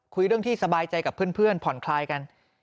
คุยเรื่องที่สบายใจกับเพื่อนผ่อนคลายกัน